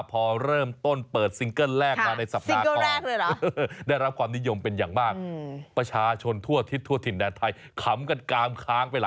พอเริ่มต้นเปิดซิงเกิ้ลแรก